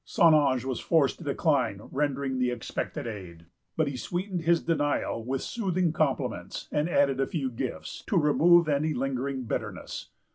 St. Ange was forced to decline rendering the expected aid; but he sweetened his denial with soothing compliments, and added a few gifts, to remove any lingering bitterness.